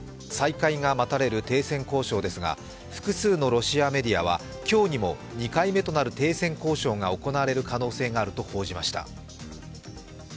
再開が待たれる停戦交渉ですが複数のロシアメディアは今日にも２回目となる停戦交渉が行われる可能性があると報じました。